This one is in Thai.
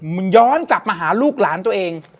มันย้อนกลับมาหาลูกหลานตัวเอง